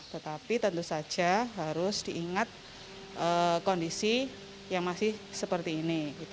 tetapi tentu saja harus diingat kondisi yang masih seperti ini